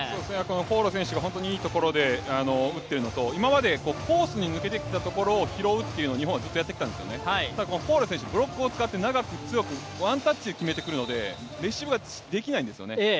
フォーレ選手が本当にいいところで打っているのと今までコースに抜けていったところを拾うというのを日本はずっとやってきたんですよね、このフォーレ選手ブロックを使って長く強くワンタッチで決めてくるのでレシーブができないんですよね。